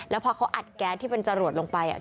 แล้วพอเขาอัดแก๊สที่เป็นจรวดลงไป